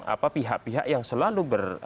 apa pihak pihak yang selalu